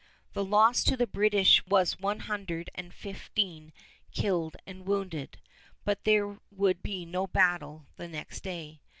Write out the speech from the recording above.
The loss to the British was one hundred and fifteen killed and wounded; but there would be no battle the next day.